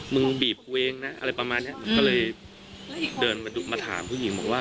มึงบีบกูเองนะอะไรประมาณเนี้ยมันก็เลยเดินมาถามผู้หญิงบอกว่า